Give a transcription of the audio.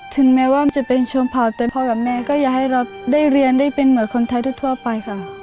ถึงแม้ว่ามันจะเป็นช่วงเผาแต่พ่อกับแม่ก็อย่าให้เราได้เรียนได้เป็นเหมือนคนไทยทั่วไปค่ะ